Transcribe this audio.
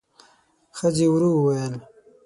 ښځې ورو وویل: